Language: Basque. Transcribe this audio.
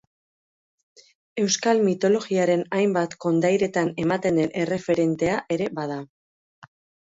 Euskal mitologiaren hainbat kondairetan ematen den erreferentea ere bada.